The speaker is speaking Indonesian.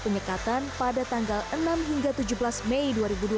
penyekatan pada tanggal enam hingga tujuh belas mei dua ribu dua puluh